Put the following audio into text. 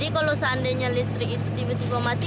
jadi kalau seandainya listrik itu tiba tiba mati